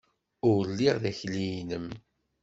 Ur lliɣ d akli-nnem!